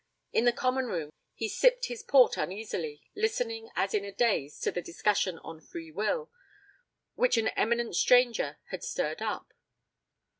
In the common room, he sipped his port uneasily, listening as in a daze to the discussion on Free Will, which an eminent stranger had stirred up.